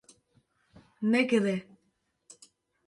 Negire